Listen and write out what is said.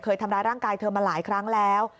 ทำร้ายร่างกายเธอมาหลายครั้งแล้ว